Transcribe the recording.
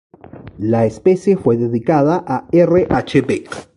La especie fue dedicada a R. H. Beck.